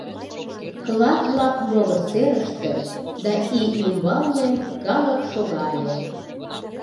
Клат-влак могыр серыште да ий ӱмбалне калык шога ыле.